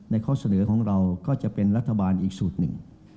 ข้อเสนอของเราก็จะเป็นรัฐบาลอีกสูตรหนึ่ง